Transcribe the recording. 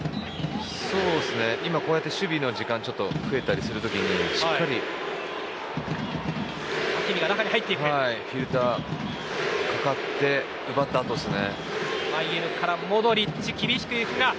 今こうやって守備の時間が増えたりする時にしっかりフィルターかかって奪ったあとですね。